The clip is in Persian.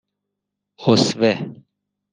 اُسوه